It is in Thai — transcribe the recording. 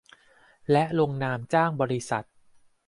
และลงนามจ้างบริษัท